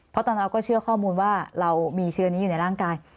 เพราะตอนเราก็เชื่อข้อมูลว่าเรามีเชื้อนี้อยู่ในร่างกาย